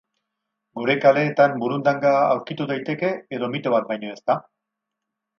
Gure kaleetan burundanga aurki daiteke edo mito bat baino ez da?